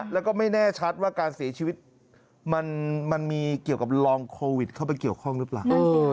แล้วก็ไม่แน่ชัดว่าการเสียชีวิตมันมีเกี่ยวกับลองโควิดเข้าไปเกี่ยวข้องหรือเปล่า